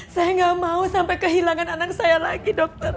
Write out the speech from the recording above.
saya nggak mau sampai kehilangan anak saya lagi dokter